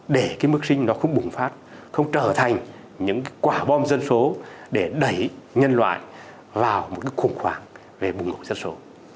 để mức sinh nó không bùng phát không trở thành những quả bom dân số để đẩy nhân loại vào một khủng hoảng về bùng ngộ dân số